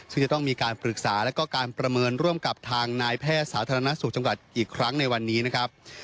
ซึ่งจะต้องมีการปรึกษาแล้วก็การประเมินร่วมกับทางนายแพทย์สาธารณสุขจังหวัดอีกครั้งในวันนี้นะครับ